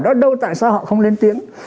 đó đâu tại sao họ không lên tiếng